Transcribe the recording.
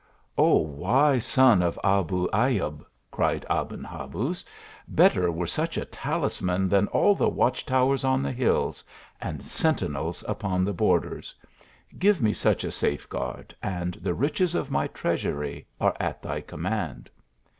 " O wise son of Abu Ayub," cried Aben Habuz, " better were such a talisman than all the watch towers on the hills, and sentinels upon the borders. Give me such a safeguard, and the riches of my treas ury are at thy command."